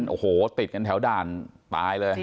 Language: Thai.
โอ้โหติดกันแถวด่านตายเลย